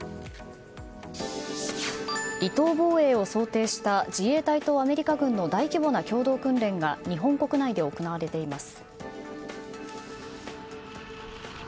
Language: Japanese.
離島防衛を想定した自衛隊とアメリカ軍の大規模な共同訓練が日本国内で行われています。